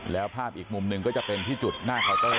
แล้วภาพอีกมุมหนึ่งก็จะเป็นที่จุดหน้าเคาน์เตอร์